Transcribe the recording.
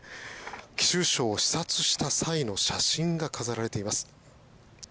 貴州省を視察した際の写真が飾られています。